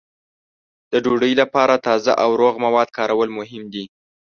د ډوډۍ لپاره تازه او روغ مواد کارول مهم دي.